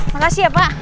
makasih ya pak